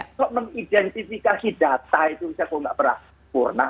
kok mengidentifikasi data itu bisa kok tidak berah purna